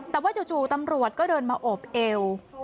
แต่ว่าจู่ตำรวจก็เดินมาอบเอว